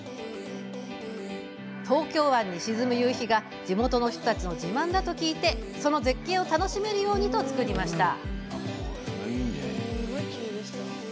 東京湾に沈む夕日が地元の人たちの自慢だと聞きその絶景を楽しめるようにと造りました。